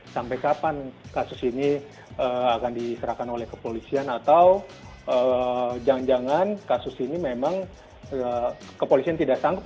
sampai kapan kasus ini akan diserahkan oleh kepolisian atau jangan jangan kasus ini memang kepolisian tidak sanggup